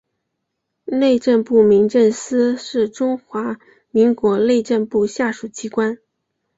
内政部民政司是中华民国内政部下属机关。